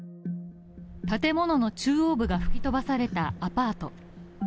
建物の中央部が吹き飛ばされたアパート。